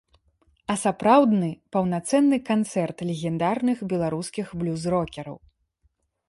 А сапраўдны паўнацэнны канцэрт легендарных беларускіх блюз-рокераў.